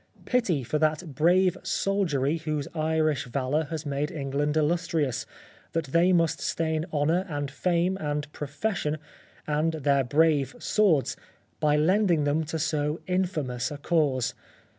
Pity for that brave soldiery whose Irish valour has made England illustrious, that they must stain honour, and fame, and profession, and their brave swords, by lending them to so in fam.ous a cause.